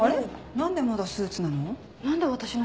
何でまだスーツなの？